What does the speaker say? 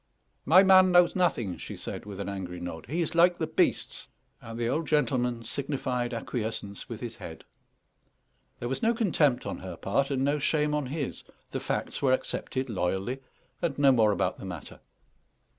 "My man knows nothing," she said, with an angry nod; "he is like the beasts." And the old gentleman signified acquiescence with his head. There was no contempt on her part, and no shame on his; the facts were accepted loyally, and no more about the matter.